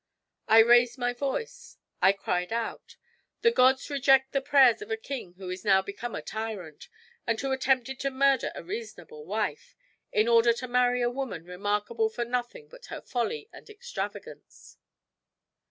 I raised my voice, I cried out, 'The gods reject the prayers of a king who is now become a tyrant, and who attempted to murder a reasonable wife, in order to marry a woman remarkable for nothing but her folly and extravagance.'